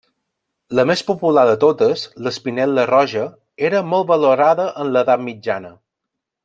La més popular de totes, l'espinel·la roja, era molt valorada en l'edat mitjana.